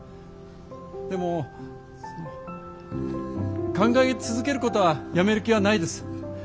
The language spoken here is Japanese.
でも考え続けることはやめる気はないです。